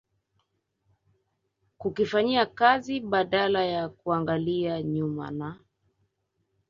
kukifanyia kazi badala ya kuangalia nyuma na